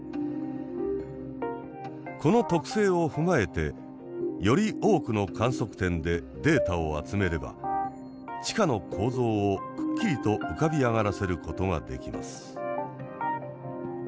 この特性を踏まえてより多くの観測点でデータを集めれば地下の構造をくっきりと浮かび上がらせることができます。